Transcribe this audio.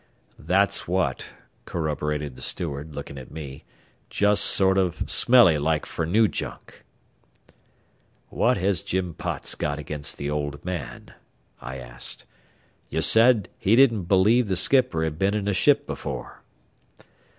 "That's what," corroborated the steward, looking at me. "Jest sort o' smelly like fer new junk." "What has Jim Potts got against the old man?" I asked. "You said he didn't believe the skipper had been in a ship before."